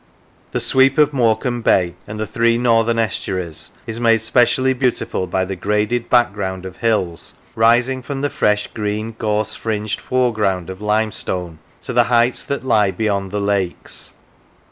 The sweep of Morecambe Bay and the three northern estuaries is made specially beautiful by the graded background of hills, rising from the fresh, green, gorse fringed fore ground of limestone to the heights that lie beyond the lakes.